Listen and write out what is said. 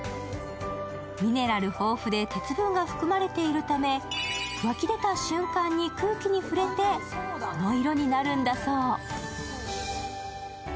ミネラル豊富て鉄分が含まれているため、湧き出た瞬間に空気に触れてこの色になるんだそう。